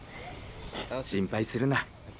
心配するな。